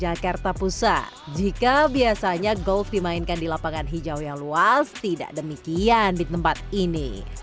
jakarta pusat jika biasanya golf dimainkan di lapangan hijau yang luas tidak demikian di tempat ini